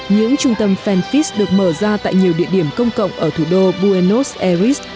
những trung tâm fanfics được mở ra tại nhiều địa điểm công cộng ở thủ đô buenos aires